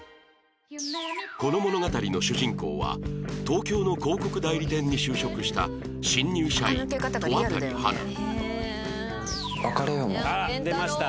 この物語の主人公は東京の広告代理店に就職した新入社員戸渡花あっ出ました。